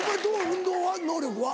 運動は能力は？